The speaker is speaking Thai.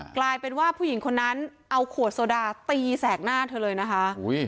กลายเป็นว่าผู้หญิงคนนั้นเอาขวดโซดาตีแสกหน้าเธอเลยนะคะ